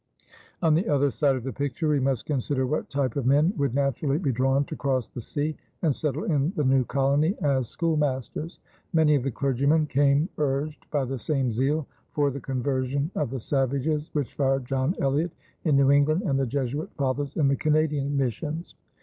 On the other side of the picture we must consider what type of men would naturally be drawn to cross the sea and settle in the new colony as schoolmasters. Many of the clergymen came urged by the same zeal for the conversion of the savages which fired John Eliot in New England and the Jesuit Fathers in the Canadian missions.